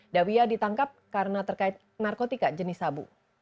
dawiya ditangkap karena terkait narkotika jenis sabu